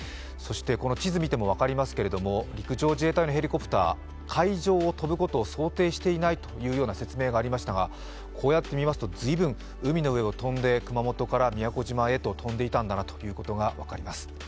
地図を見ても分かりますけれども陸上自衛隊のヘリコプター、海上を飛ぶことを想定していないという説明がありましたがこうやって見ますとずいぶん海の上を飛んで熊本から宮古島へ飛んでいたことが分かります。